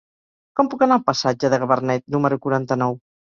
Com puc anar al passatge de Gabarnet número quaranta-nou?